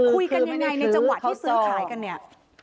คุยกันยังไงในจังหวะที่ซื้อขายกันเนี่ย